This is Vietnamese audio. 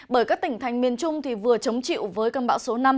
bởi các tỉnh thành miền trung vừa chống chịu với cơn bão số năm